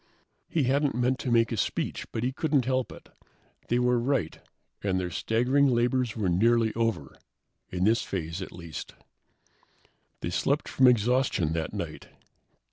He hadn't meant to give a speech, but he couldn't help it. They were right, and their staggering labors were nearly over, in this phase, at least. They slept from exhaustion that night.